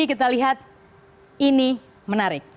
kita lihat ini menarik